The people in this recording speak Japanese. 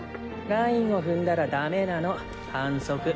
ラインを踏んだらダメなの反則。